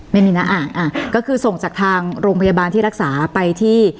ไม่มีนะอ่าก็คือส่งจากทางโรงพยาบาลที่รักษาไปที่